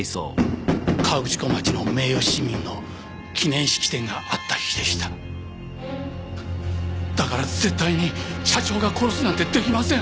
河口湖町の名誉市民の記念式典があった日でしただから絶対に社長が殺すなんてできません